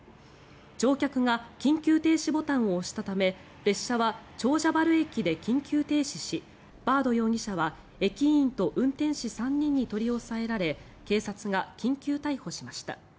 乗客が緊急停止ボタンを押したため列車は長者原駅で緊急停止しバード・マイケル容疑者は駅員と運転士３人に取り押さえられ警察が緊急逮捕しました。